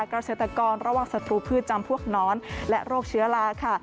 เกษตรกรระวังศัตรูพืชจำพวกน้อนและโรคเชื้อลาค่ะ